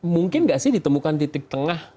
mungkin nggak sih ditemukan titik tengah